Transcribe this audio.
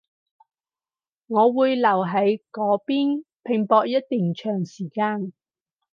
我會留喺嗰邊拼搏一段長時間